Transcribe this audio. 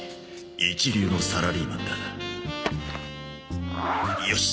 一流のサラリーマンだよし。